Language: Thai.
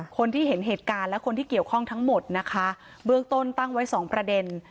คนที่เห็นเหตุการณ์และคนที่เกี่ยวข้องทั้งหมดนะคะเบื้องต้นตั้งไว้สองประเด็น